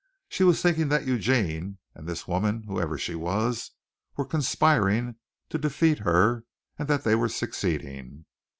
She was thinking that Eugene and this woman, whoever she was, were conspiring to defeat her and that they were succeeding.